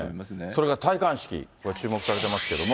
それから戴冠式、これ、注目されてますけども。